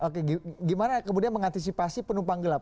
oke gimana kemudian mengantisipasi penumpang gelap